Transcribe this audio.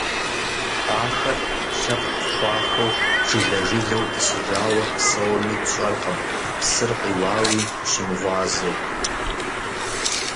Ахэр лъэпкъ хъуахэу, жылэ-жылэу тӀысыжауэ псэуми, тщӀэркъым, псыр къиуауи щымыгъуазэу.